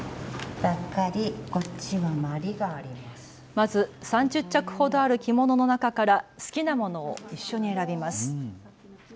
まず３０着ほどある着物の中から好きなものを一緒に選びます。